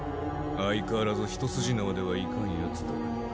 相変わらず一筋縄ではいかんヤツだ。